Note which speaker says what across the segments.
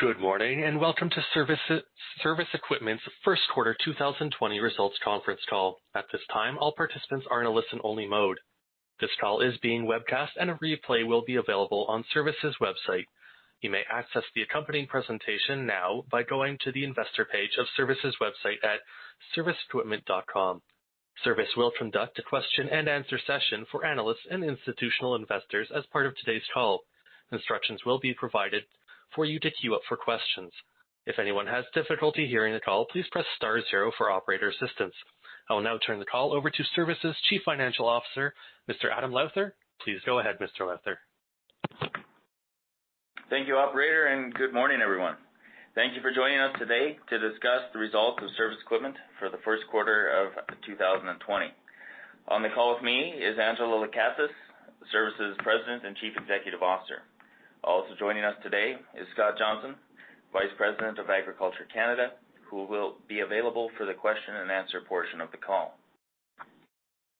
Speaker 1: Good morning, welcome to Cervus Equipment's First Quarter 2020 Results Conference Call. At this time, all participants are in a listen-only mode. This call is being webcast, a replay will be available on Cervus's website. You may access the accompanying presentation now by going to the investor page of Cervus's website at cervusequipment.com. Cervus will conduct a question and answer session for analysts and institutional investors as part of today's call. Instructions will be provided for you to queue up for questions. If anyone has difficulty hearing the call, please press star zero for operator assistance. I will now turn the call over to Cervus's Chief Financial Officer, Mr. Adam Lowther. Please go ahead, Mr. Lowther.
Speaker 2: Thank you, operator. Good morning, everyone. Thank you for joining us today to discuss the results of Cervus Equipment for the first quarter of 2020. On the call with me is Angela Lekatsas, Cervus's President and Chief Executive Officer. Also joining us today is Scott Johnston, Vice President of Agriculture Canada, who will be available for the question and answer portion of the call.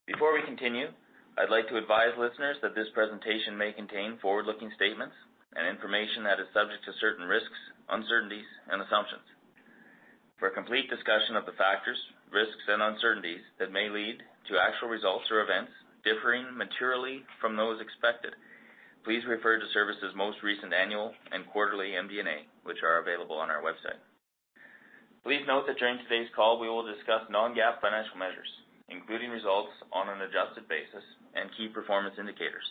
Speaker 2: Before we continue, I'd like to advise listeners that this presentation may contain forward-looking statements and information that is subject to certain risks, uncertainties, and assumptions. For a complete discussion of the factors, risks, and uncertainties that may lead to actual results or events differing materially from those expected, please refer to Cervus's most recent annual and quarterly MD&A, which are available on our website. Please note that during today's call, we will discuss non-GAAP financial measures, including results on an adjusted basis and key performance indicators.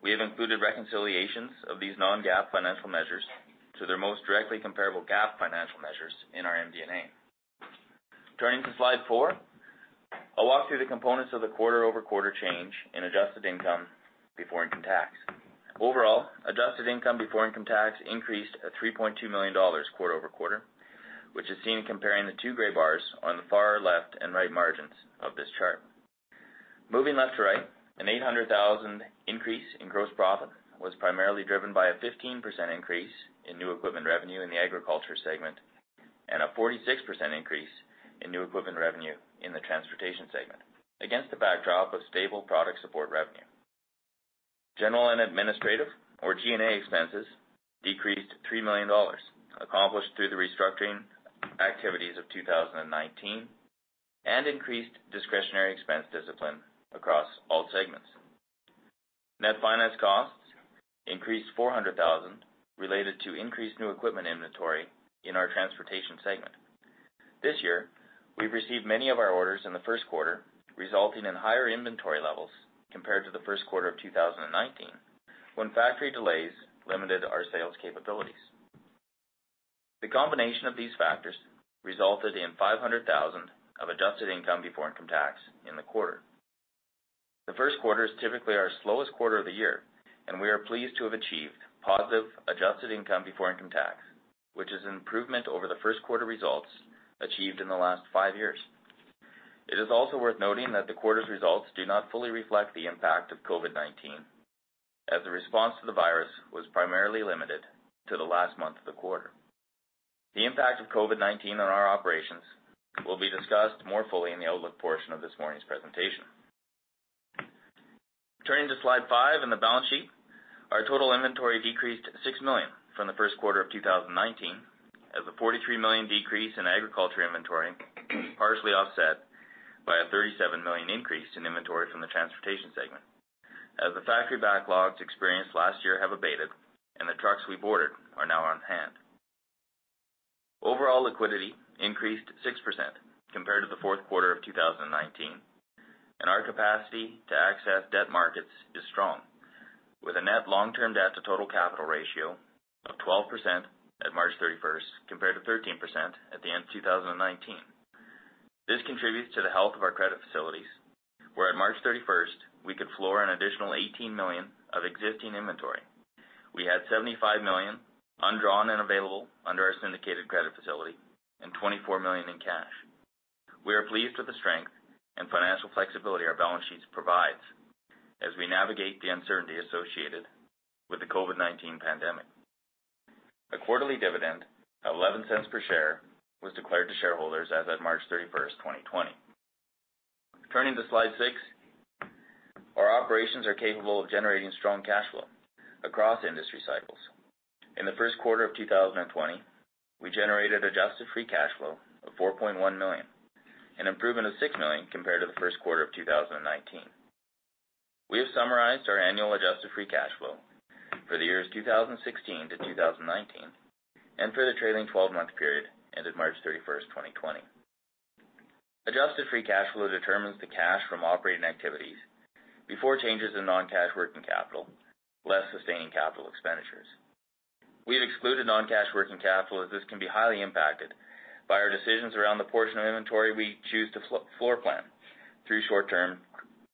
Speaker 2: We have included reconciliations of these non-GAAP financial measures to their most directly comparable GAAP financial measures in our MD&A. Turning to slide four, I'll walk through the components of the quarter-over-quarter change in adjusted income before income tax. Overall, adjusted income before income tax increased at 3.2 million dollars quarter-over-quarter, which is seen comparing the two gray bars on the far left and right margins of this chart. Moving left to right, a 800,000 increase in gross profit was primarily driven by a 15% increase in new equipment revenue in the agriculture segment and a 46% increase in new equipment revenue in the transportation segment against the backdrop of stable product support revenue. General and administrative, or G&A expenses, decreased to 3 million dollars, accomplished through the restructuring activities of 2019 and increased discretionary expense discipline across all segments. Net finance costs increased 400,000 related to increased new equipment inventory in our transportation segment. This year, we've received many of our orders in the Q1, resulting in higher inventory levels compared to the Q1 of 2019, when factory delays limited our sales capabilities. The combination of these factors resulted in 500,000 of adjusted income before income tax in the quarter. The Q1 is typically our slowest quarter of the year, and we are pleased to have achieved positive adjusted income before income tax, which is an improvement over the Q1 results achieved in the last five years. It is also worth noting that the quarter's results do not fully reflect the impact of COVID-19, as the response to the virus was primarily limited to the last month of the quarter. The impact of COVID-19 on our operations will be discussed more fully in the outlook portion of this morning's presentation. Turning to slide five and the balance sheet. Our total inventory decreased 6 million from Q1 2019 as a 43 million decrease in agriculture inventory, partially offset by a 37 million increase in inventory from the transportation segment, as the factory backlogs experienced last year have abated and the trucks we've ordered are now on hand. Overall liquidity increased 6% compared to the fourth quarter of 2019. Our capacity to access debt markets is strong with a net long-term debt to total capital ratio of 12% at March 31st, compared to 13% at the end of 2019. This contributes to the health of our credit facilities, where on March 31st, we could floor an additional 18 million of existing inventory. We had 75 million undrawn and available under our syndicated credit facility and 24 million in cash. We are pleased with the strength and financial flexibility our balance sheets provides as we navigate the uncertainty associated with the COVID-19 pandemic. A quarterly dividend of 0.11 per share was declared to shareholders as of March 31, 2020. Turning to slide six. Our operations are capable of generating strong cash flow across industry cycles. In the first quarter of 2020, we generated adjusted free cash flow of 4.1 million, an improvement of 6 million compared to the first quarter of 2019. We have summarized our annual adjusted free cash flow for the years 2016 to 2019 and for the trailing 12-month period ended March 31, 2020. Adjusted free cash flow determines the cash from operating activities before changes in non-cash working capital, less sustaining capital expenditures. We have excluded non-cash working capital, as this can be highly impacted by our decisions around the portion of inventory we choose to floor plan through short-term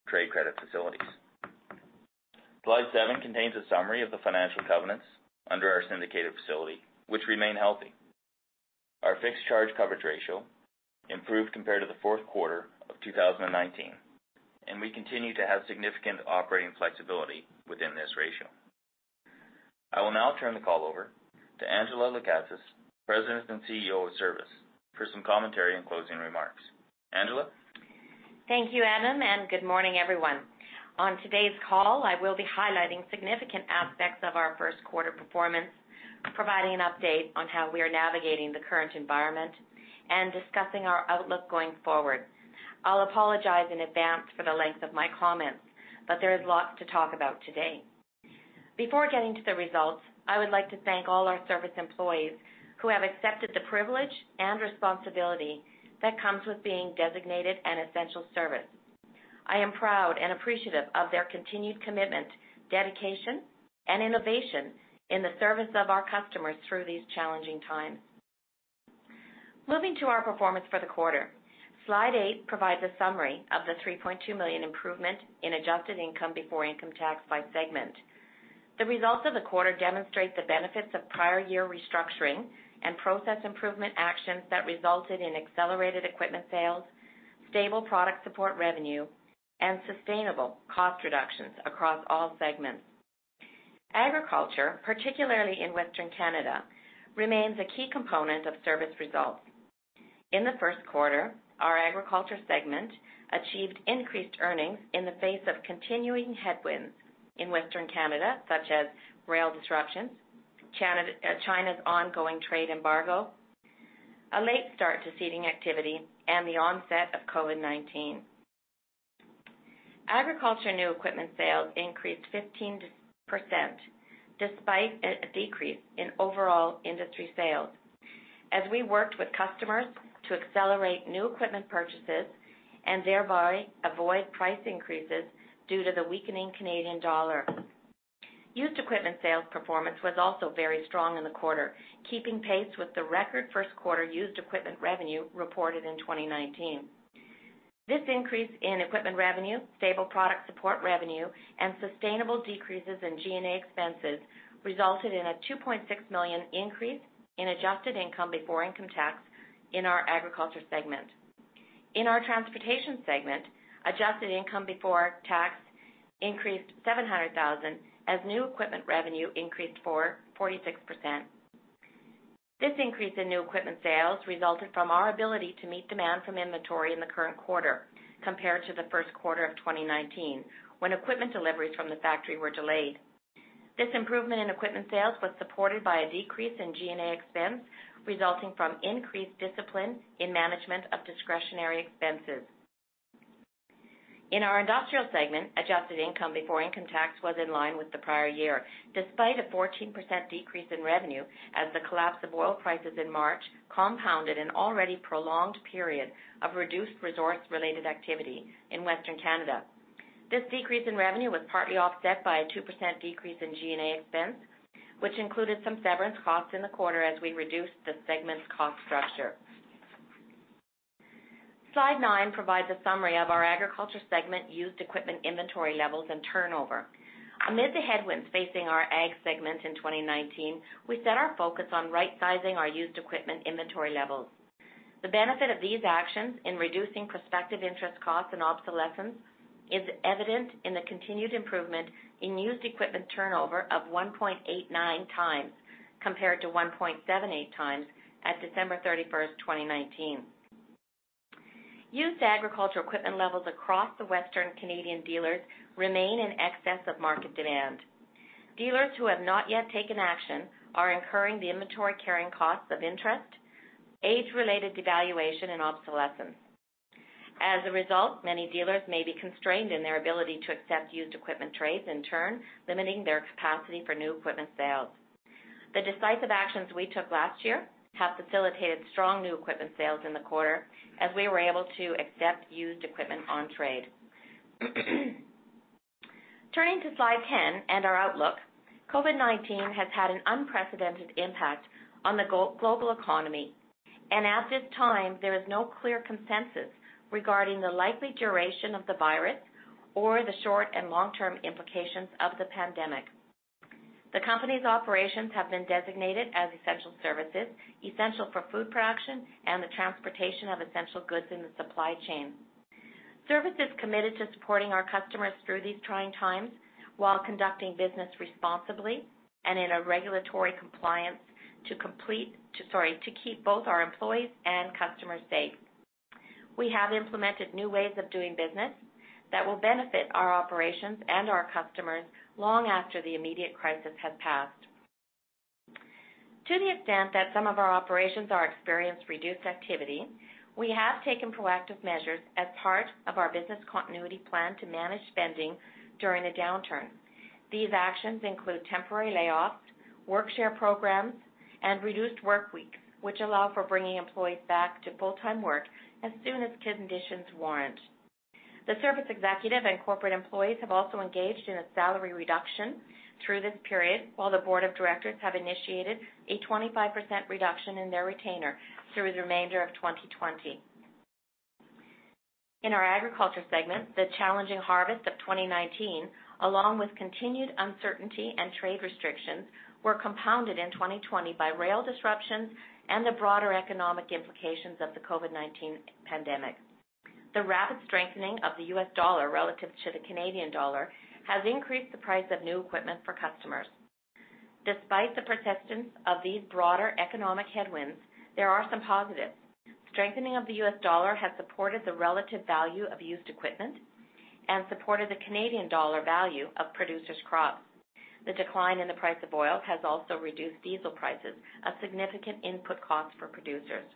Speaker 2: trade credit facilities. Slide seven contains a summary of the financial covenants under our syndicated facility, which remain healthy. Our fixed charge coverage ratio improved compared to the fourth quarter of 2019, and we continue to have significant operating flexibility within this ratio. I will now turn the call over to Angela Lekatsas, President and CEO of Cervus, for some commentary and closing remarks. Angela?
Speaker 3: Thank you, Adam. Good morning, everyone. On today's call, I will be highlighting significant aspects of our first quarter performance, providing an update on how we are navigating the current environment, and discussing our outlook going forward. I'll apologize in advance for the length of my comments. There is lots to talk about today. Before getting to the results, I would like to thank all our Cervus employees who have accepted the privilege and responsibility that comes with being designated an essential service. I am proud and appreciative of their continued commitment, dedication, and innovation in the service of our customers through these challenging times. Moving to our performance for the quarter, slide eight provides a summary of the 3.2 million improvement in adjusted income before income tax by segment. The results of the quarter demonstrate the benefits of prior year restructuring and process improvement actions that resulted in accelerated equipment sales, stable product support revenue, and sustainable cost reductions across all segments. Agriculture, particularly in Western Canada, remains a key component of Cervus results. In the first quarter, our agriculture segment achieved increased earnings in the face of continuing headwinds in Western Canada, such as rail disruptions, Canada-China's ongoing trade embargo, a late start to seeding activity, and the onset of COVID-19. Agriculture new equipment sales increased 15% despite a decrease in overall industry sales as we worked with customers to accelerate new equipment purchases and thereby avoid price increases due to the weakening Canadian dollar. Used equipment sales performance was also very strong in the quarter, keeping pace with the record first quarter used equipment revenue reported in 2019. This increase in equipment revenue, stable product support revenue, and sustainable decreases in G&A expenses resulted in a 2.6 million increase in adjusted income before income tax in our agriculture segment. In our transportation segment, adjusted income before tax increased 700,000 as new equipment revenue increased 46%. This increase in new equipment sales resulted from our ability to meet demand from inventory in the current quarter compared to the first quarter of 2019, when equipment deliveries from the factory were delayed. This improvement in equipment sales was supported by a decrease in G&A expense resulting from increased discipline in management of discretionary expenses. In our industrial segment, adjusted income before income tax was in line with the prior year, despite a 14% decrease in revenue as the collapse of oil prices in March compounded an already prolonged period of reduced resource-related activity in Western Canada. This decrease in revenue was partly offset by a 2% decrease in G&A expense, which included some severance costs in the quarter as we reduced the segment's cost structure. Slide nine provides a summary of our agriculture segment used equipment inventory levels and turnover. Amid the headwinds facing our ag segment in 2019, we set our focus on right-sizing our used equipment inventory levels. The benefit of these actions in reducing prospective interest costs and obsolescence is evident in the continued improvement in used equipment turnover of 1.89x, compared to 1.78x at December 31, 2019. Used agriculture equipment levels across the Western Canadian dealers remain in excess of market demand. Dealers who have not yet taken action are incurring the inventory carrying costs of interest, age-related devaluation, and obsolescence. As a result, many dealers may be constrained in their ability to accept used equipment trades, in turn limiting their capacity for new equipment sales. The decisive actions we took last year have facilitated strong new equipment sales in the quarter as we were able to accept used equipment on trade. Turning to slide 10 and our outlook, COVID-19 has had an unprecedented impact on the global economy. At this time, there is no clear consensus regarding the likely duration of the virus or the short and long-term implications of the pandemic. The company's operations have been designated as essential services, essential for food production and the transportation of essential goods in the supply chain. Cervus is committed to supporting our customers through these trying times while conducting business responsibly and in regulatory compliance to keep both our employees and customers safe. We have implemented new ways of doing business that will benefit our operations and our customers long after the immediate crisis has passed. To the extent that some of our operations are experiencing reduced activity, we have taken proactive measures as part of our business continuity plan to manage spending during a downturn. These actions include temporary layoffs, work share programs, and reduced workweek, which allow for bringing employees back to full-time work as soon as conditions warrant. The Cervus executive and corporate employees have also engaged in a salary reduction through this period, while the board of directors have initiated a 25% reduction in their retainer through the remainder of 2020. In our agriculture segment, the challenging harvest of 2019, along with continued uncertainty and trade restrictions, were compounded in 2020 by rail disruptions and the broader economic implications of the COVID-19 pandemic. The rapid strengthening of the U.S. dollar relative to the Canadian dollar has increased the price of new equipment for customers. Despite the persistence of these broader economic headwinds, there are some positives. Strengthening of the U.S. dollar has supported the relative value of used equipment and supported the Canadian dollar value of producers' crops. The decline in the price of oil has also reduced diesel prices, a significant input cost for producers.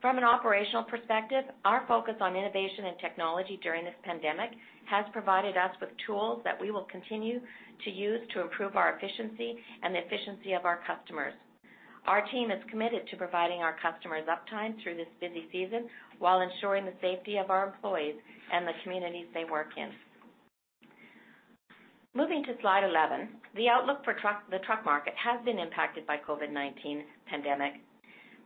Speaker 3: From an operational perspective, our focus on innovation and technology during this pandemic has provided us with tools that we will continue to use to improve our efficiency and the efficiency of our customers. Our team is committed to providing our customers uptime through this busy season while ensuring the safety of our employees and the communities they work in. Moving to slide 11, the outlook for the truck market has been impacted by COVID-19 pandemic.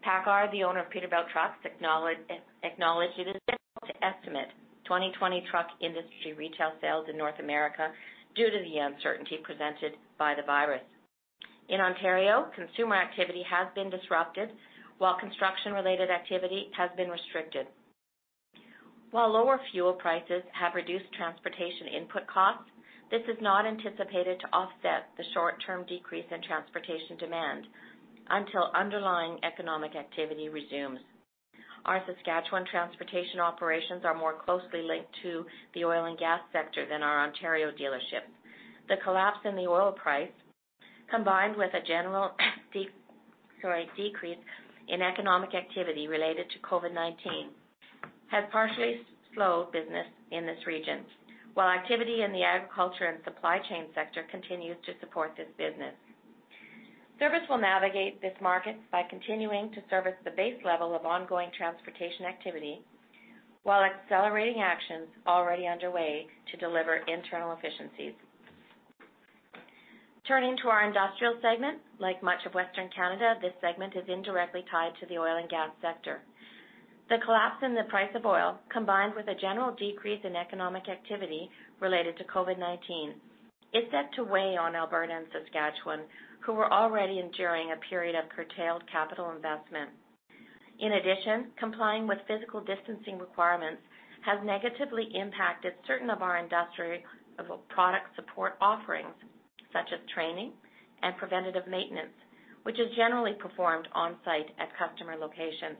Speaker 3: PACCAR, the owner of Peterbilt Trucks, acknowledges it is difficult to estimate 2020 truck industry retail sales in North America due to the uncertainty presented by the virus. In Ontario, consumer activity has been disrupted while construction-related activity has been restricted. While lower fuel prices have reduced transportation input costs, this is not anticipated to offset the short-term decrease in transportation demand until underlying economic activity resumes. Our Saskatchewan transportation operations are more closely linked to the oil and gas sector than our Ontario dealership. The collapse in the oil price, combined with a general decrease in economic activity related to COVID-19, has partially slowed business in this region, while activity in the agriculture and supply chain sector continues to support this business. Cervus will navigate this market by continuing to service the base level of ongoing transportation activity while accelerating actions already underway to deliver internal efficiencies. Turning to our industrial segment, like much of Western Canada, this segment is indirectly tied to the oil and gas sector. The collapse in the price of oil, combined with a general decrease in economic activity related to COVID-19, is set to weigh on Alberta and Saskatchewan, who were already enduring a period of curtailed capital investment. In addition, complying with physical distancing requirements has negatively impacted certain of our industrial product support offerings, such as training and preventative maintenance, which is generally performed on-site at customer locations.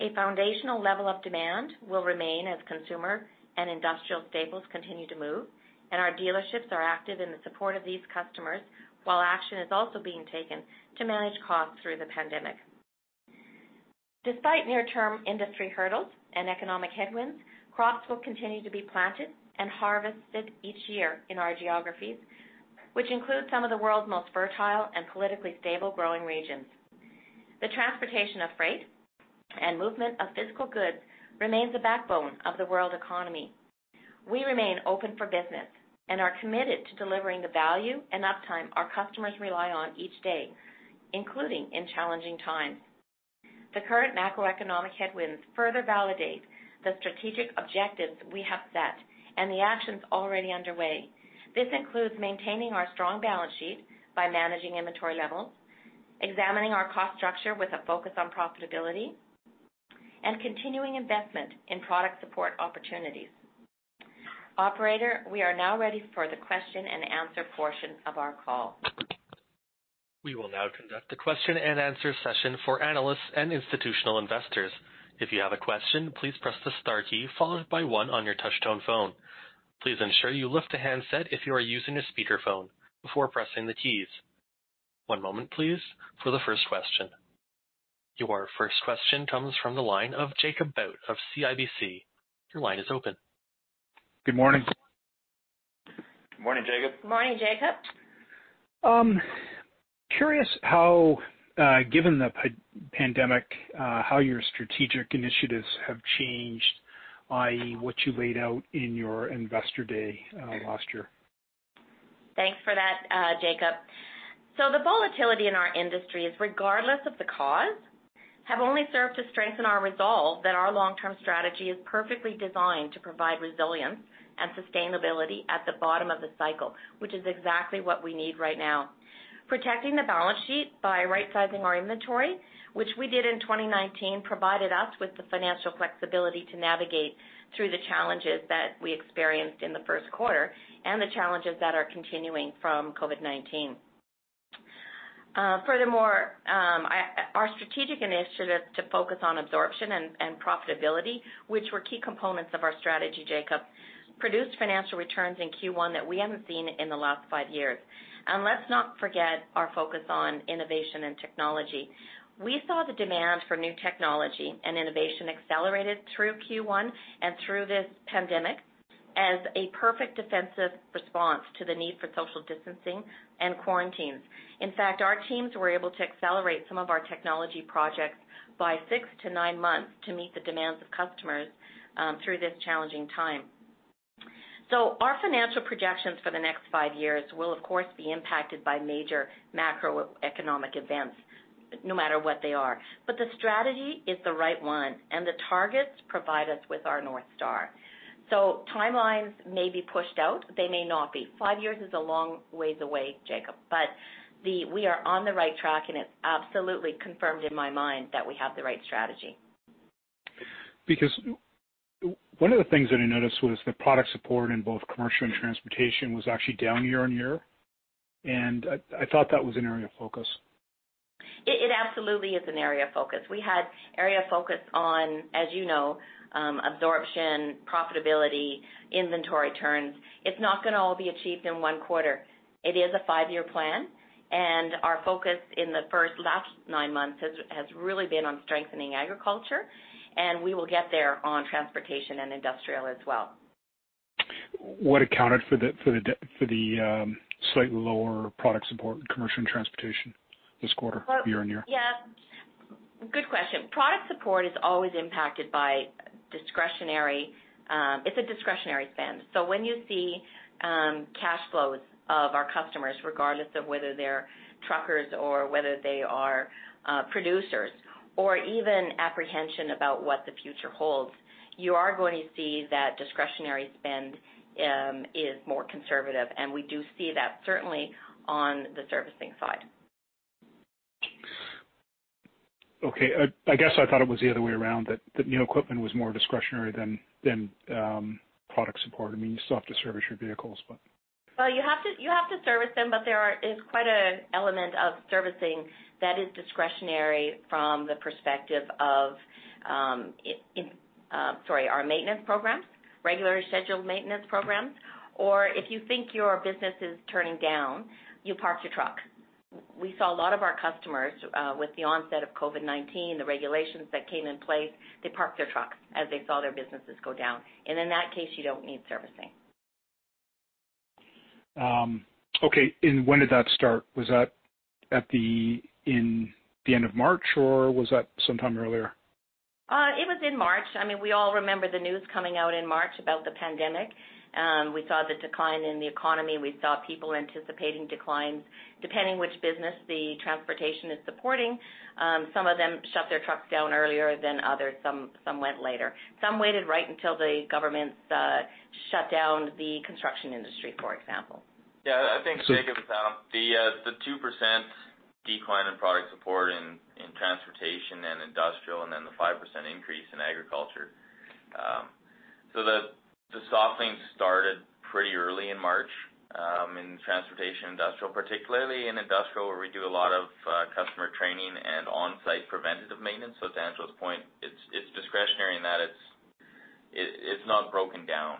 Speaker 3: A foundational level of demand will remain as consumer and industrial staples continue to move, and our dealerships are active in the support of these customers, while action is also being taken to manage costs through the pandemic. Despite near-term industry hurdles and economic headwinds, crops will continue to be planted and harvested each year in our geographies, which include some of the world's most fertile and politically stable growing regions. The transportation of freight and movement of physical goods remains the backbone of the world economy. We remain open for business and are committed to delivering the value and uptime our customers rely on each day, including in challenging times. The current macroeconomic headwinds further validate the strategic objectives we have set and the actions already underway. This includes maintaining our strong balance sheet by managing inventory levels, examining our cost structure with a focus on profitability, and continuing investment in product support opportunities. Operator, we are now ready for the question-and-answer portion of our call.
Speaker 1: We will now conduct a question-and-answer session for analysts and institutional investors. If you have a question, please press the star key followed by one on your touch-tone phone. Please ensure you lift the handset if you are using a speakerphone before pressing the keys. One moment please for the first question. Your first question comes from the line of Jacob Bout of CIBC. Your line is open.
Speaker 4: Good morning.
Speaker 5: Morning, Jacob.
Speaker 3: Morning, Jacob.
Speaker 4: Curious how given the pandemic, how your strategic initiatives have changed, i.e., what you laid out in your Investor Day last year.
Speaker 3: Thanks for that, Jacob. The volatility in our industry is regardless of the cause, have only served to strengthen our resolve that our long-term strategy is perfectly designed to provide resilience and sustainability at the bottom of the cycle, which is exactly what we need right now. Protecting the balance sheet by right-sizing our inventory, which we did in 2019, provided us with the financial flexibility to navigate through the challenges that we experienced in the first quarter and the challenges that are continuing from COVID-19. Furthermore, our strategic initiative to focus on absorption and profitability, which were key components of our strategy, Jacob, produced financial returns in Q1 that we haven't seen in the last five years. Let's not forget our focus on innovation and technology. We saw the demand for new technology and innovation accelerated through Q1 and through this pandemic as a perfect defensive response to the need for social distancing and quarantines. In fact, our teams were able to accelerate some of our technology projects by 6-9 months to meet the demands of customers through this challenging time. Our financial projections for the next five years will of course, be impacted by major macroeconomic events, no matter what they are. The strategy is the right one, and the targets provide us with our North Star. Timelines may be pushed out, they may not be. five years is a long ways away, Jacob, but we are on the right track, and it's absolutely confirmed in my mind that we have the right strategy.
Speaker 4: One of the things that I noticed was the product support in both commercial and transportation was actually down year-on-year, and I thought that was an area of focus.
Speaker 3: It absolutely is an area of focus. We had area of focus on, as you know, absorption, profitability, inventory turns. It's not gonna all be achieved in one quarter. It is a five-year plan. Our focus in the first last nine months has really been on strengthening agriculture. We will get there on transportation and industrial as well.
Speaker 4: What accounted for the slightly lower product support in commercial and transportation this quarter?
Speaker 3: Well.
Speaker 4: -year-on-year?
Speaker 3: Yeah. Good question. Product support is always impacted by discretionary. It's a discretionary spend. When you see cash flows of our customers, regardless of whether they're truckers or whether they are producers, or even apprehension about what the future holds, you are going to see that discretionary spend is more conservative, and we do see that certainly on the servicing side.
Speaker 4: Okay. I guess I thought it was the other way around, that new equipment was more discretionary than product support. I mean, you still have to service your vehicles.
Speaker 3: Well, you have to service them, there is quite an element of servicing that is discretionary from the perspective of, sorry, in our maintenance programs, regularly scheduled maintenance programs. If you think your business is turning down, you park your truck. We saw a lot of our customers, with the onset of COVID-19, the regulations that came in place, they parked their trucks as they saw their businesses go down. In that case, you don't need servicing.
Speaker 4: Okay. When did that start? Was that in the end of March, or was that sometime earlier?
Speaker 3: It was in March. I mean, we all remember the news coming out in March about the pandemic. We saw the decline in the economy. We saw people anticipating declines. Depending which business the transportation is supporting, some of them shut their trucks down earlier than others. Some went later. Some waited right until the governments shut down the construction industry, for example.
Speaker 4: So.
Speaker 2: I think, Jacob, the 2% decline in product support in transportation and industrial, and then the 5% increase in agriculture, the softening started pretty early in March in transportation and industrial. Particularly in industrial, where we do a lot of customer training and on-site preventative maintenance. To Angela's point, it's discretionary in that it's not broken down.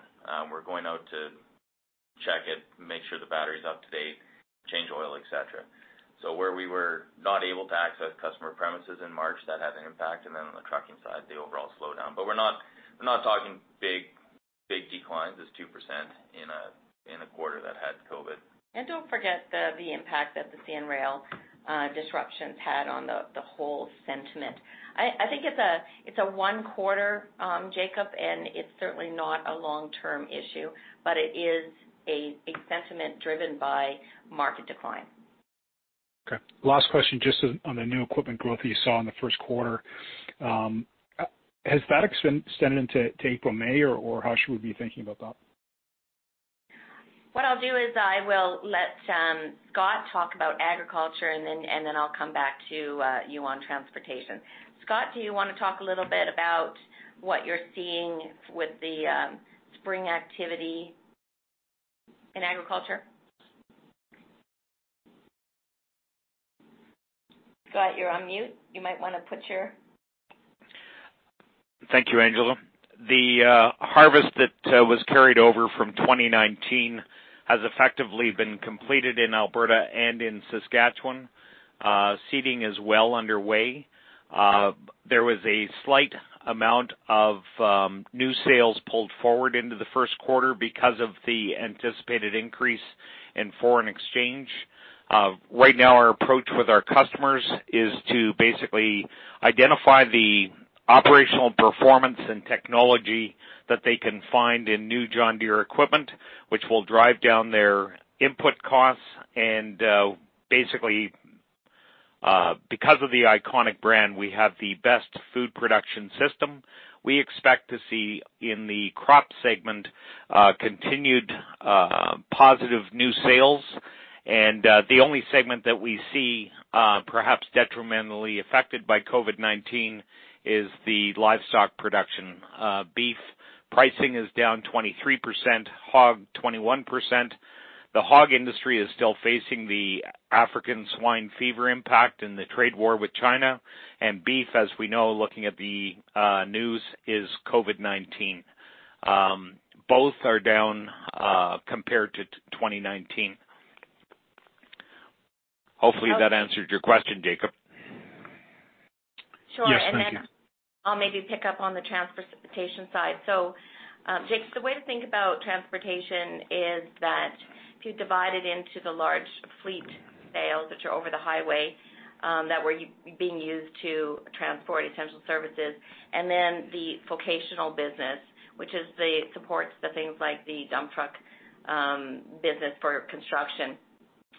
Speaker 2: We're going out to check it, make sure the battery is up to date, change oil, et cetera. Where we were not able to access customer premises in March, that had an impact. On the trucking side, the overall slowdown. We're not talking big declines. It's 2% in a quarter that had COVID-19.
Speaker 3: Don't forget the impact that the CN Rail disruptions had on the whole sentiment. I think it's a one quarter, Jacob, and it's certainly not a long-term issue. It is a sentiment driven by market decline.
Speaker 4: Okay. Last question just on the new equipment growth that you saw in the first quarter. Has that extended into April/May, or how should we be thinking about that?
Speaker 3: What I'll do is I will let Scott talk about agriculture, and then I'll come back to you on transportation. Scott, do you wanna talk a little bit about what you're seeing with the spring activity in agriculture? Scott, you're on mute.
Speaker 5: Thank you, Angela. The harvest that was carried over from 2019 has effectively been completed in Alberta and in Saskatchewan. Seeding is well underway. There was a slight amount of new sales pulled forward into Q1 because of the anticipated increase in foreign exchange. Right now our approach with our customers is to basically identify the operational performance and technology that they can find in new John Deere equipment, which will drive down their input costs. Basically, because of the iconic brand, we have the best food production system. We expect to see in the crop segment continued positive new sales. The only segment that we see perhaps detrimentally affected by COVID-19 is the livestock production. Beef pricing is down 23%, hog 21%. The hog industry is still facing the African swine fever impact and the trade war with China. Beef, as we know, looking at the news, is COVID-19. Both are down compared to 2019. Hopefully that answers your question, Jacob.
Speaker 4: Sure. Yes, thank you.
Speaker 3: I'll maybe pick up on the transportation side. Jacob, the way to think about transportation is that if you divide it into the large fleet sales which are over the highway, that were being used to transport essential services, and then the vocational business, which supports the things like the dump truck business for construction.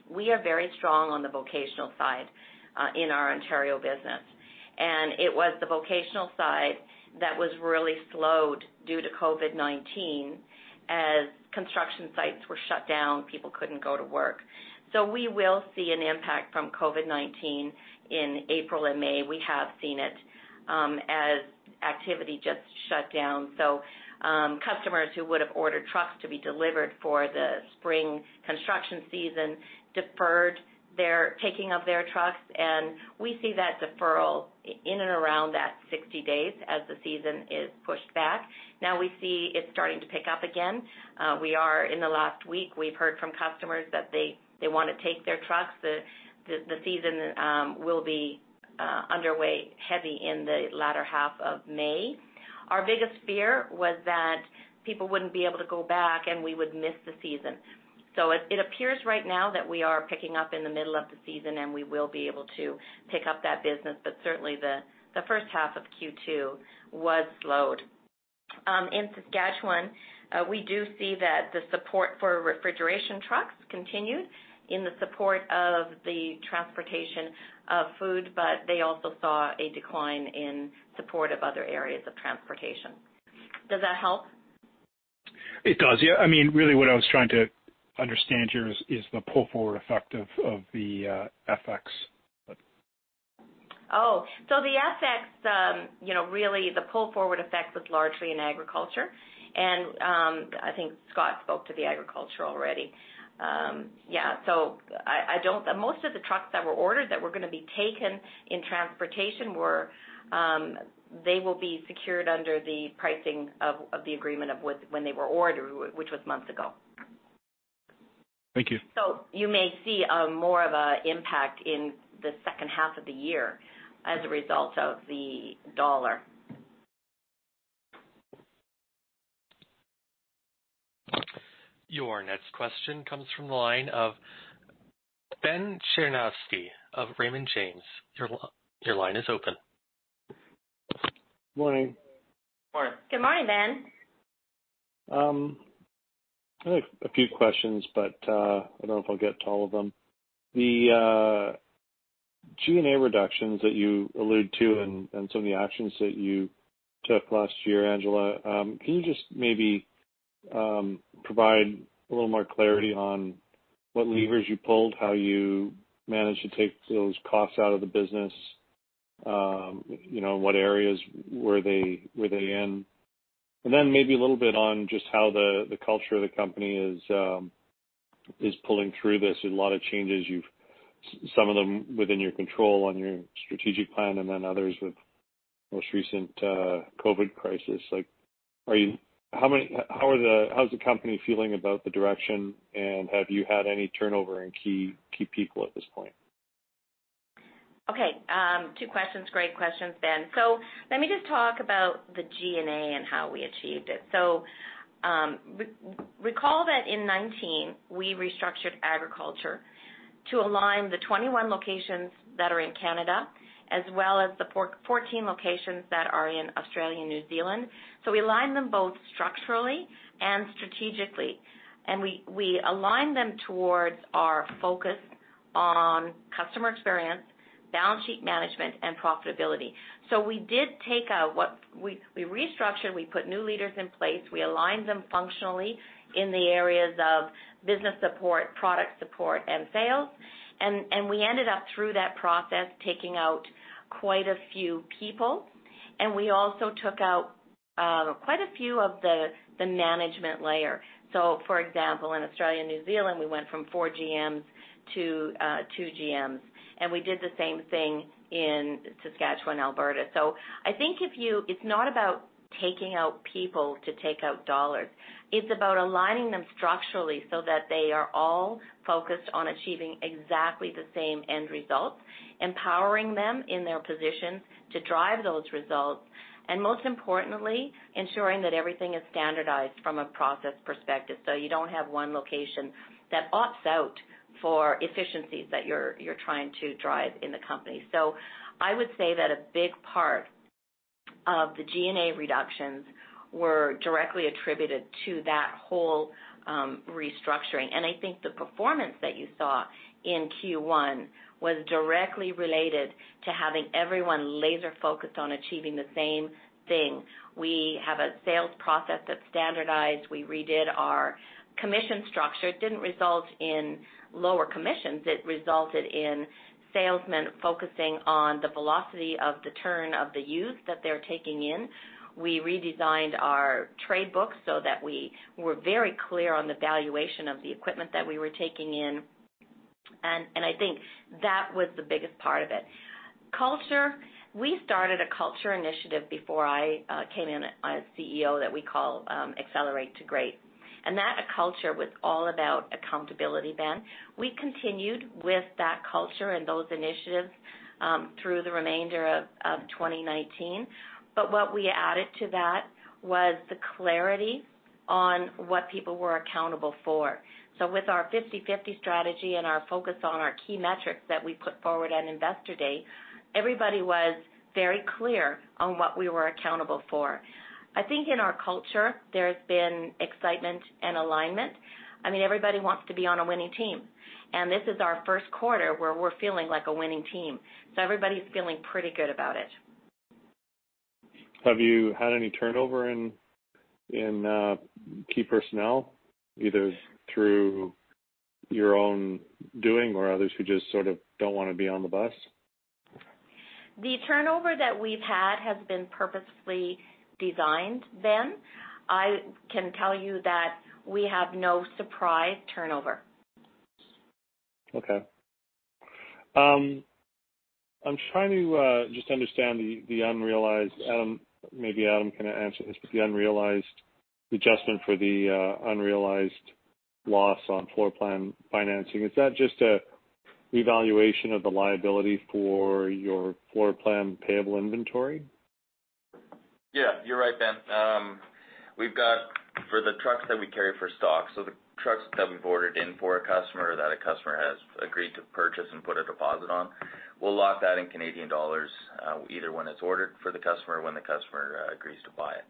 Speaker 3: We are very strong on the vocational side in our Ontario business. It was the vocational side that was really slowed due to COVID-19 as construction sites were shut down, people couldn't go to work. We will see an impact from COVID-19 in April and May. We have seen it as. Activity just shut down. Customers who would have ordered trucks to be delivered for the spring construction season deferred their taking of their trucks, and we see that deferral in and around that 60 days as the season is pushed back. Now we see it starting to pick up again. In the last week, we've heard from customers that they wanna take their trucks. The season will be underway heavy in the latter half of May. Our biggest fear was that people wouldn't be able to go back, and we would miss the season. It appears right now that we are picking up in the middle of the season, and we will be able to pick up that business. Certainly the first half of Q2 was slowed. In Saskatchewan, we do see that the support for refrigeration trucks continued in the support of the transportation of food, but they also saw a decline in support of other areas of transportation. Does that help?
Speaker 4: It does. Yeah. I mean, really what I was trying to understand here is the pull-forward effect of the FX.
Speaker 3: The FX, you know, really the pull-forward effect was largely in agriculture and I think Scott spoke to the agriculture already. Most of the trucks that were ordered that were gonna be taken in transportation, they will be secured under the pricing of the agreement of when they were ordered, which was months ago.
Speaker 4: Thank you.
Speaker 3: You may see more of a impact in the second half of the year as a result of the U.S. dollar.
Speaker 1: Your next question comes from the line of Ben Cherniavsky of Raymond James. Your line is open.
Speaker 6: Morning.
Speaker 2: Morning.
Speaker 3: Good morning, Ben.
Speaker 6: I have a few questions. I don't know if I'll get to all of them. The G&A reductions that you allude to and some of the actions that you took last year, Angela, can you just maybe provide a little more clarity on what levers you pulled, how you managed to take those costs out of the business, you know, what areas were they, were they in? Then maybe a little bit on just how the culture of the company is pulling through this. There's a lot of changes you've some of them within your control on your strategic plan and then others with most recent COVID-19 crisis. How is the company feeling about the direction, and have you had any turnover in key people at this point?
Speaker 3: Okay. Two questions. Great questions, Ben. Let me just talk about the G&A and how we achieved it. Recall that in 2019, we restructured agriculture to align the 21 locations that are in Canada as well as the 16 locations that are in Australia and New Zealand. We aligned them both structurally and strategically, and we aligned them towards our focus on customer experience, balance sheet management, and profitability. We restructured, we put new leaders in place, we aligned them functionally in the areas of business support, product support, and sales. We ended up through that process, taking out quite a few people, and we also took out quite a few of the management layer. For example, in Australia and New Zealand, we went from four GMs to two GMs, and we did the same thing in Saskatchewan, Alberta. I think it's not about taking out people to take out dollars. It's about aligning them structurally so that they are all focused on achieving exactly the same end results, empowering them in their positions to drive those results, and most importantly, ensuring that everything is standardized from a process perspective. You don't have one location that opts out for efficiencies that you're trying to drive in the company. I would say that a big part of the G&A reductions were directly attributed to that whole restructuring. I think the performance that you saw in Q1 was directly related to having everyone laser-focused on achieving the same thing. We have a sales process that's standardized. We redid our commission structure. It didn't result in lower commissions. It resulted in salesmen focusing on the velocity of the turn of the used that they're taking in. We redesigned our trade books so that we were very clear on the valuation of the equipment that we were taking in, and I think that was the biggest part of it. Culture, we started a culture initiative before I came in as CEO that we call Accelerate to Great. That culture was all about accountability, Ben. We continued with that culture and those initiatives through the remainder of 2019. What we added to that was the clarity on what people were accountable for. With our 50/50 strategy and our focus on our key metrics that we put forward on Investor Day, everybody was very clear on what we were accountable for. I think in our culture, there's been excitement and alignment. I mean, everybody wants to be on a winning team, and this is our first quarter where we're feeling like a winning team, so everybody's feeling pretty good about it.
Speaker 6: Have you had any turnover in key personnel, either through your own doing or others who just sort of don't wanna be on the bus?
Speaker 3: The turnover that we've had has been purposefully designed, Ben. I can tell you that we have no surprise turnover.
Speaker 6: Okay. I'm trying to just understand the unrealized, Adam, maybe Adam can answer this, but the unrealized adjustment for the unrealized loss on floor plan financing, is that just a revaluation of the liability for your floor plan payable inventory?
Speaker 2: Yeah, you're right, Ben. We've got for the trucks that we carry for stock, so the trucks that we've ordered in for a customer that a customer has agreed to purchase and put a deposit on, we'll lock that in Canadian dollars, either when it's ordered for the customer or when the customer agrees to buy it.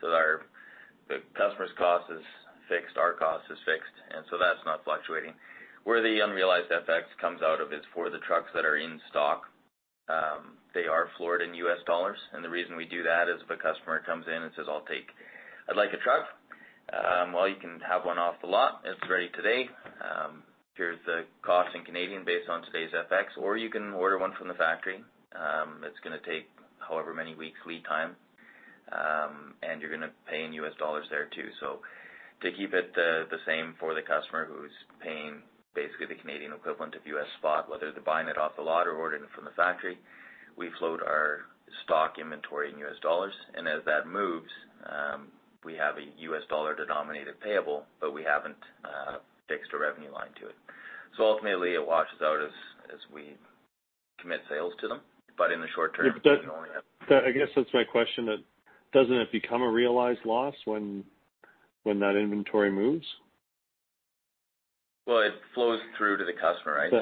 Speaker 2: The customer's cost is fixed, our cost is fixed, that's not fluctuating. Where the unrealized FX comes out of is for the trucks that are in stock. They are floored in U.S. dollars, and the reason we do that is if a customer comes in and says, "I'd like a truck." Well, you can have one off the lot. It's ready today. Here's the cost in Canadian based on today's FX, or you can order one from the factory. It's gonna take however many weeks' lead time, and you're gonna pay in U.S. dollars there too. To keep it the same for the customer who's paying basically the Canadian equivalent of U.S. spot, whether they're buying it off the lot or ordering it from the factory, we float our stock inventory in U.S. dollars. As that moves, we have a U.S. dollar denominated payable, but we haven't fixed a revenue line to it. Ultimately, it washes out as we commit sales to them. In the short-term, we only have
Speaker 6: Yeah, I guess that's my question then. Doesn't it become a realized loss when that inventory moves?
Speaker 2: Well, it flows through to the customer, right?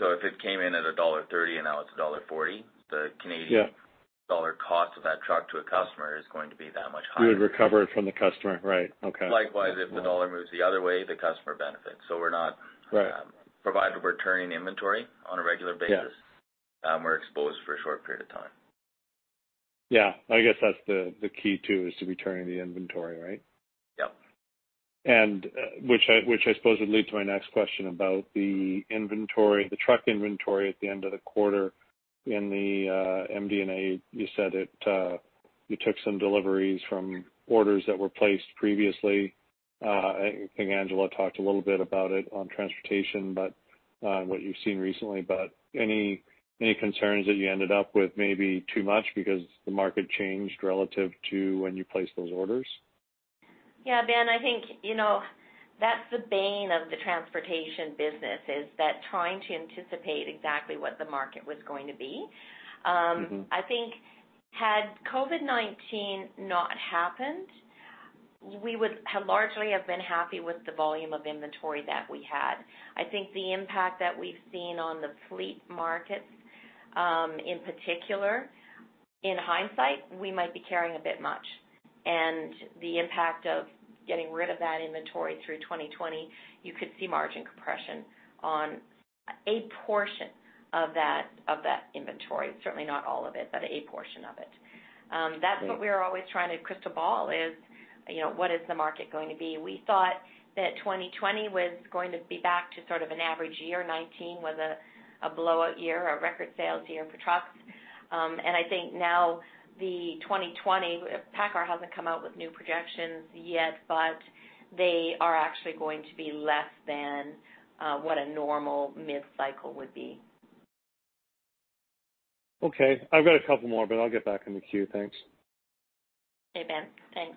Speaker 6: Yeah.
Speaker 2: If it came in at dollar 1.30 and now it's dollar 1.40, the Canadian-.
Speaker 6: Yeah
Speaker 2: Dollar cost of that truck to a customer is going to be that much higher.
Speaker 6: You would recover it from the customer. Right. Okay.
Speaker 2: Likewise, if the dollar moves the other way, the customer benefits.
Speaker 6: Right
Speaker 2: Provided we're turning inventory on a regular basis.
Speaker 6: Yeah.
Speaker 2: We're exposed for a short period of time.
Speaker 6: Yeah. I guess that's the key, too, is to be turning the inventory, right?
Speaker 2: Yep.
Speaker 6: Which I suppose would lead to my next question about the inventory, the truck inventory at the end of the quarter. In the MD&A, you said you took some deliveries from orders that were placed previously. I think Angela talked a little bit about it on transportation, but what you've seen recently, any concerns that you ended up with maybe too much because the market changed relative to when you placed those orders?
Speaker 3: Yeah, Ben, I think, you know, that's the bane of the transportation business, is that trying to anticipate exactly what the market was going to be. I think had COVID-19 not happened, we would have largely have been happy with the volume of inventory that we had. I think the impact that we've seen on the fleet markets, in particular, in hindsight, we might be carrying a bit much. The impact of getting rid of that inventory through 2020, you could see margin compression on a portion of that inventory. Certainly not all of it, but a portion of it.
Speaker 6: Right
Speaker 3: that's what we're always trying to crystal ball is, you know, what is the market going to be? We thought that 2020 was going to be back to sort of an average year. 2019 was a blowout year, a record sales year for trucks. I think now the 2020, PACCAR hasn't come out with new projections yet, but they are actually going to be less than what a normal mid-cycle would be.
Speaker 6: Okay. I've got a couple more, but I'll get back in the queue. Thanks.
Speaker 3: Okay, Ben. Thanks.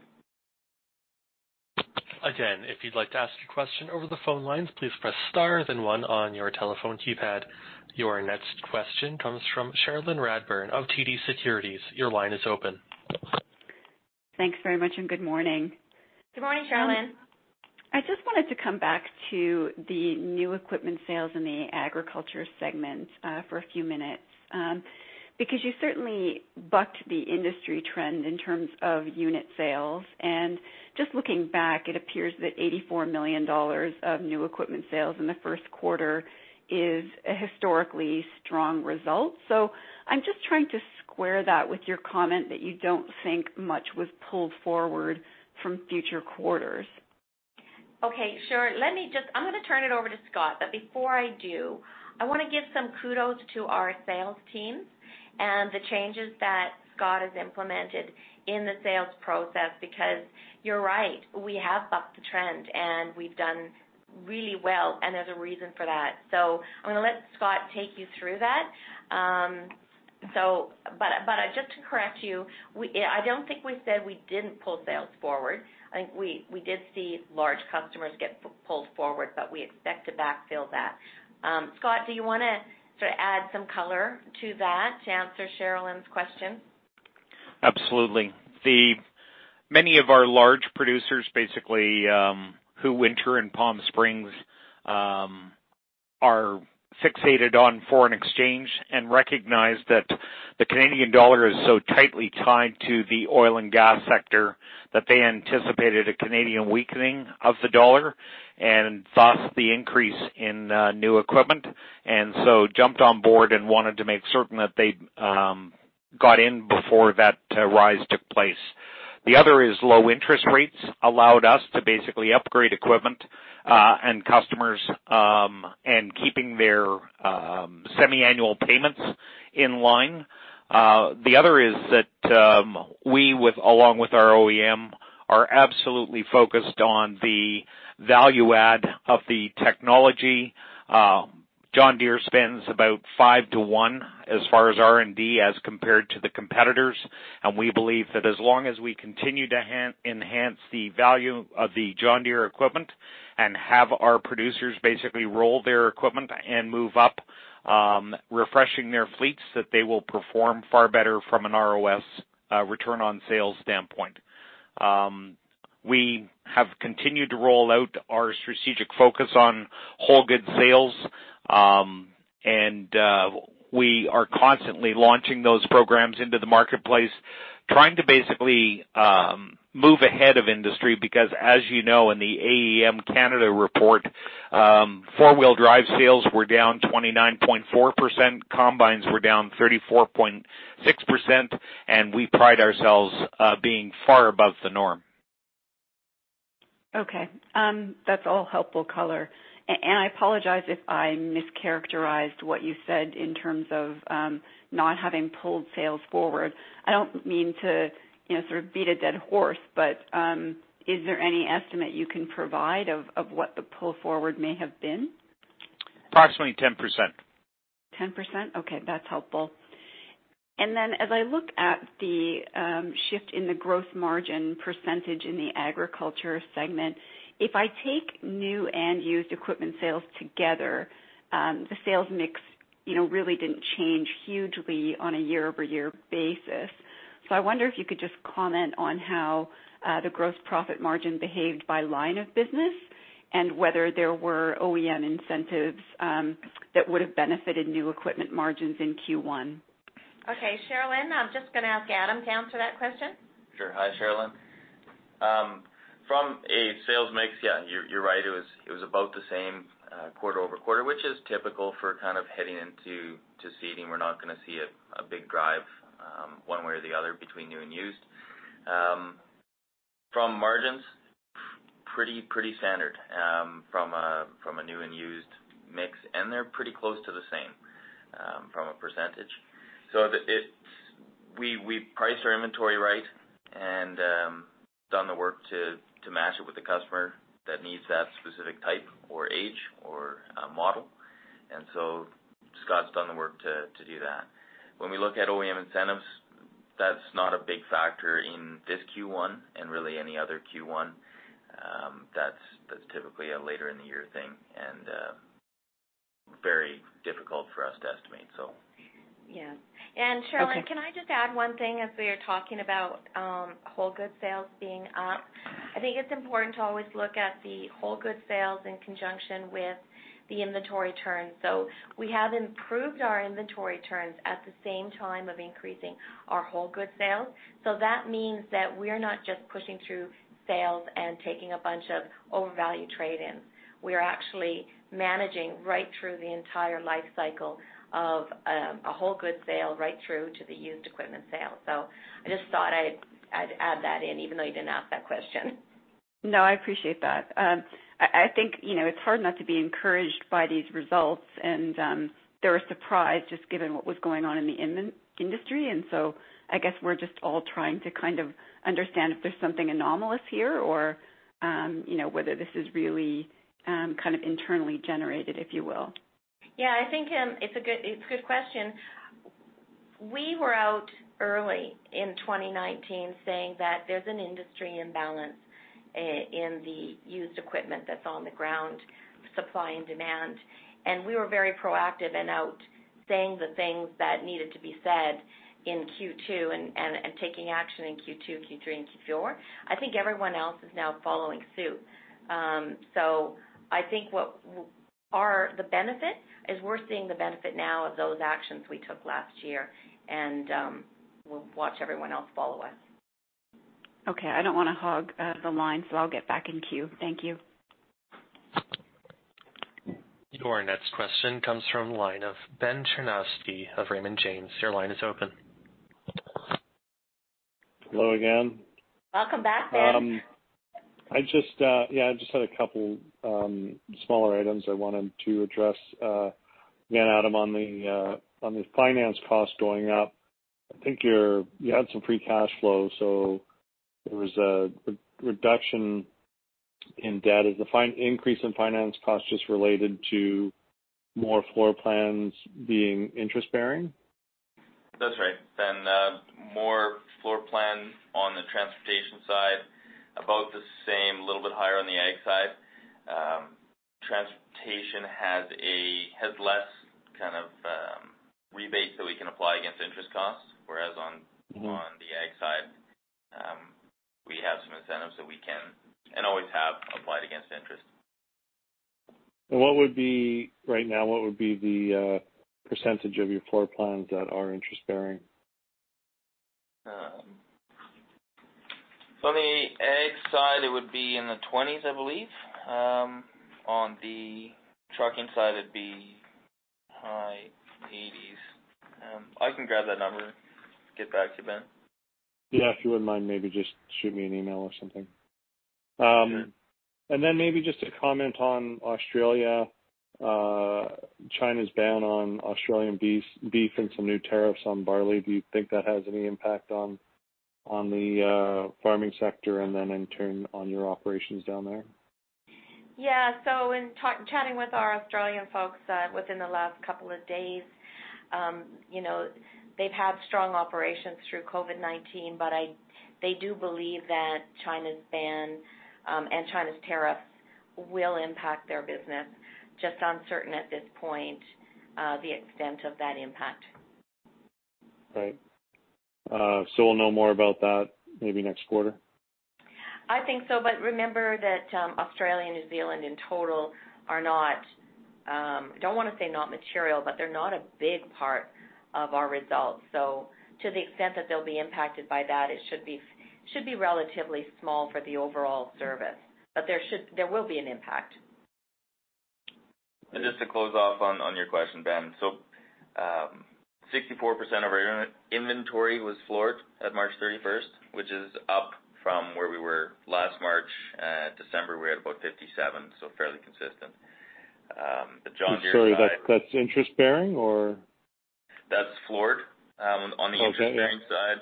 Speaker 1: Again, if you'd like to ask a question over the phone lines please press star then one on you telephone keypad. Your next question comes from Cherilyn Radbourne of TD Securities.
Speaker 7: Thanks very much, and good morning.
Speaker 3: Good morning, Cherilyn.
Speaker 7: I just wanted to come back to the new equipment sales in the agriculture segment for a few minutes. Because you certainly bucked the industry trend in terms of unit sales. Just looking back, it appears that 84 million dollars of new equipment sales in the first quarter is a historically strong result. I'm just trying to square that with your comment that you don't think much was pulled forward from future quarters.
Speaker 3: Okay. Sure. Let me I'm going to turn it over to Scott, but before I do, I want to give some kudos to our sales teams and the changes that Scott has implemented in the sales process. You are right, we have bucked the trend, and we have done really well, and there is a reason for that. I'm going to let Scott take you through that. Just to correct you, we, I do not think we said we did not pull sales forward. I think we did see large customers get pulled forward, but we expect to backfill that. Scott, do you want to sort of add some color to that to answer Cherilyn's question?
Speaker 5: Absolutely. Many of our large producers basically, who winter in Palm Springs, are fixated on foreign exchange and recognize that the Canadian dollar is so tightly tied to the oil and gas sector that they anticipated a Canadian weakening of the dollar and thus the increase in new equipment so jumped on board and wanted to make certain that they got in before that rise took place. The other is low interest rates allowed us to basically upgrade equipment and customers and keeping their semi-annual payments in line. The other is that we, along with our OEM, are absolutely focused on the value add of the technology. John Deere spends about 5:1 as far as R&D as compared to the competitors. We believe that as long as we continue to enhance the value of the John Deere equipment and have our producers basically roll their equipment and move up, refreshing their fleets, that they will perform far better from an ROS return on sales standpoint. We have continued to roll out our strategic focus on whole goods sales. We are constantly launching those programs into the marketplace, trying to basically move ahead of industry because as you know, in the AEM Canada report, four-wheel drive sales were down 29.4%, combines were down 34.6%, and we pride ourselves being far above the norm.
Speaker 7: Okay. That's all helpful color. I apologize if I mischaracterized what you said in terms of not having pulled sales forward. I don't mean to, you know, sort of beat a dead horse, but is there any estimate you can provide of what the pull forward may have been?
Speaker 5: Approximately 10%.
Speaker 7: 10%? Okay, that's helpful. As I look at the shift in the gross margin percentage in the agriculture segment, if I take new and used equipment sales together, the sales mix, you know, really didn't change hugely on a year-over-year basis. I wonder if you could just comment on how the gross profit margin behaved by line of business and whether there were OEM incentives that would have benefited new equipment margins in Q1.
Speaker 3: Okay, Cherilyn, I'm just gonna ask Adam to answer that question.
Speaker 2: Sure. Hi, Cherilyn. From a sales mix, yeah, you're right. It was about the same quarter-over-quarter, which is typical for kind of heading into seeding. We're not gonna see a big drive one way or the other between new and used. From margins, pretty standard from a new and used mix, and they're pretty close to the same from a percentage. So we price our inventory right and done the work to match it with the customer that needs that specific type or age or model. Scott's done the work to do that. When we look at OEM incentives, that's not a big factor in this Q1 and really any other Q1 That's typically a later in the year thing and very difficult for us to estimate, so.
Speaker 7: Yeah.
Speaker 3: Cherilyn.
Speaker 7: Okay
Speaker 3: Can I just add one thing as we are talking about whole goods sales being up? I think it's important to always look at the whole goods sales in conjunction with the inventory turns. We have improved our inventory turns at the same time of increasing our whole goods sales. That means that we're not just pushing through sales and taking a bunch of overvalued trade-ins. We are actually managing right through the entire life cycle of a whole goods sale right through to the used equipment sale. I just thought I'd add that in, even though you didn't ask that question.
Speaker 7: No, I appreciate that. I think, you know, it's hard not to be encouraged by these results. They're a surprise just given what was going on in the industry. I guess we're just all trying to kind of understand if there's something anomalous here or, you know, whether this is really kind of internally generated, if you will.
Speaker 3: Yeah, I think, it's a good, it's a good question. We were out early in 2019 saying that there's an industry imbalance in the used equipment that's on the ground, supply and demand. We were very proactive in out saying the things that needed to be said in Q2 and taking action in Q2, Q3, and Q4. I think everyone else is now following suit. I think what our the benefit is we're seeing the benefit now of those actions we took last year and, we'll watch everyone else follow us.
Speaker 7: Okay. I don't wanna hog the line, so I'll get back in queue. Thank you.
Speaker 1: Your next question comes from line of Ben Cherniavsky of Raymond James. Your line is open.
Speaker 6: Hello again.
Speaker 3: Welcome back, Ben.
Speaker 6: I just, yeah, I just had a couple smaller items I wanted to address, again, Adam, on the on the finance costs going up. I think you had some free cash flow, so there was a reduction in debt. Is the increase in finance cost just related to more floor plans being interest-bearing?
Speaker 2: That's right. Ben, more floor plans on the transportation side, about the same, a little bit higher on the ag side. Transportation has less kind of, rebate that we can apply against interest costs. On the ag side, we have some incentives that we can, and always have, applied against interest.
Speaker 6: What would be, right now, what would be the percentage of your floor plans that are interest-bearing?
Speaker 2: On the ag side, it would be in the 20s, I believe. On the trucking side, it'd be high 80s. I can grab that number and get back to you, Ben.
Speaker 6: Yeah, if you wouldn't mind, maybe just shoot me an email or something.
Speaker 2: Sure.
Speaker 6: Maybe just a comment on Australia. China's ban on Australian beef and some new tariffs on barley. Do you think that has any impact on the farming sector and then in turn on your operations down there?
Speaker 3: In talk, chatting with our Australian folks, within the last couple of days, you know, they've had strong operations through COVID-19, but they do believe that China's ban, and China's tariffs will impact their business. Just uncertain at this point, the extent of that impact.
Speaker 6: Right. We'll know more about that maybe next quarter?
Speaker 3: I think so. Remember that Australia and New Zealand in total are not, don't wanna say not material, but they're not a big part of our results. To the extent that they'll be impacted by that, it should be relatively small for the overall Cervus. There will be an impact.
Speaker 2: Just to close off on your question, Ben. 64% of our inventory was floored at March 31, which is up from where we were last March. At December, we were at about 57%, so fairly consistent. The John Deere side.
Speaker 6: Sorry, that's interest-bearing or?
Speaker 2: That's floored.
Speaker 6: Okay, yeah.
Speaker 2: Interest-bearing side.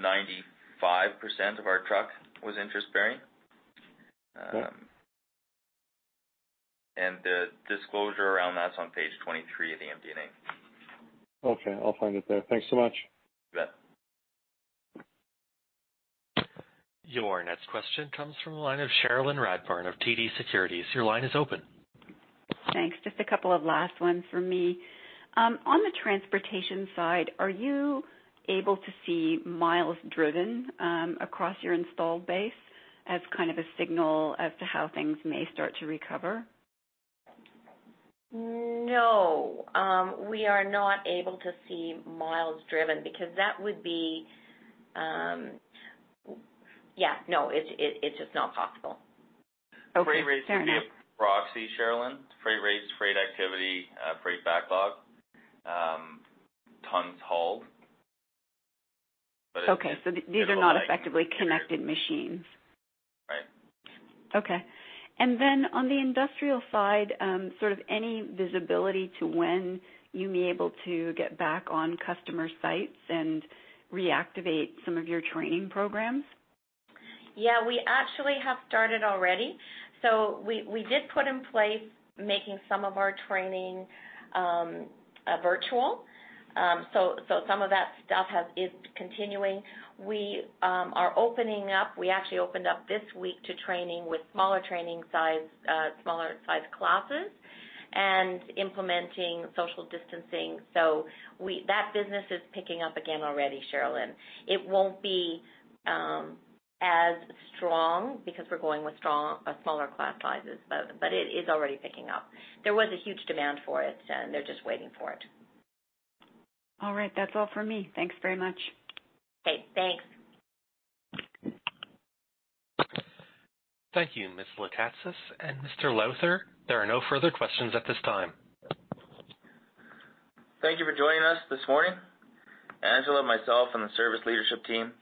Speaker 2: 95% of our truck was interest-bearing.
Speaker 6: Okay.
Speaker 2: The disclosure around that's on page 23 of the MD&A.
Speaker 6: Okay, I'll find it there. Thanks so much.
Speaker 2: You bet.
Speaker 1: Your next question comes from the line of Cherilyn Radbourne of TD Securities. Your line is open.
Speaker 7: Thanks. Just a couple of last ones from me. On the transportation side, are you able to see miles driven across your installed base as kind of a signal as to how things may start to recover?
Speaker 3: No. We are not able to see miles driven because that would be, Yeah, no, it's just not possible.
Speaker 7: Okay, fair enough.
Speaker 2: Freight rates can be a proxy, Cherilyn. Freight rates, freight activity, freight backlog, tons hauled.
Speaker 7: Okay. These are not effectively connected machines.
Speaker 2: Right.
Speaker 7: Okay. On the industrial side, sort of any visibility to when you may able to get back on customer sites and reactivate some of your training programs?
Speaker 3: Yeah, we actually have started already. We did put in place making some of our training virtual. Some of that stuff is continuing. We are opening up. We actually opened up this week to training with smaller size classes and implementing social distancing. That business is picking up again already, Cherilyn. It won't be as strong because we're going with smaller class sizes, but it is already picking up. There was a huge demand for it, and they're just waiting for it.
Speaker 7: All right. That's all for me. Thanks very much.
Speaker 3: Okay, thanks.
Speaker 1: Thank you, Ms. Lekatsas and Mr. Lowther. There are no further questions at this time.
Speaker 2: Thank you for joining us this morning. Angela, myself, and the Cervus leadership team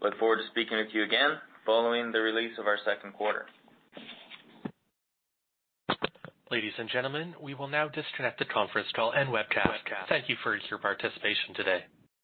Speaker 2: look forward to speaking with you again following the release of our second quarter.
Speaker 1: Ladies and gentlemen, we will now disconnect the conference call and webcast. Thank you for your participation today.